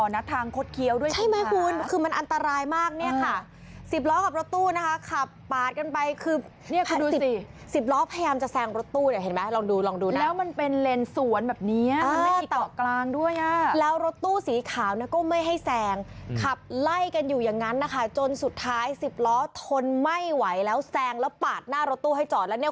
แล้วกระตะกะโรนทางลงเขาไม่พอทางคดเขี้ยวด้วย